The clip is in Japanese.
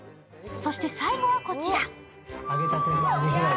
そして、最後はこちら。